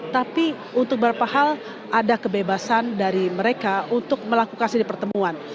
tapi untuk beberapa hal ada kebebasan dari mereka untuk melakukan seri pertemuan